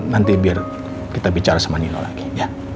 nanti biar kita bicara sama nino lagi